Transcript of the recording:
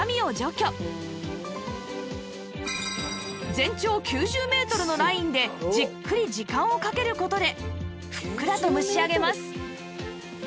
全長９０メートルのラインでじっくり時間をかける事でふっくらと蒸し上げます